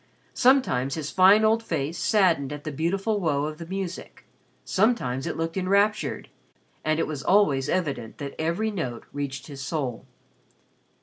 Sometimes his fine old face saddened at the beautiful woe of the music, sometimes it looked enraptured, and it was always evident that every note reached his soul.